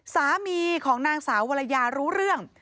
สามีของนางสาววรรยารู้เรื่อง